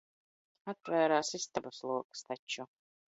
Atvērās istabas logs taču.